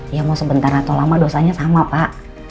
ya mau sebentar atau lama dosanya sama pak